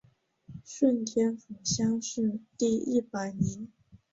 顺天府乡试第一百名。